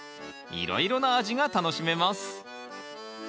いろいろな味が楽しめます。